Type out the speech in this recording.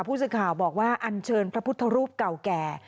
ผู้สื่อข่าวบอกว่าอันเชิญพระพุทธรูปเก่าแก่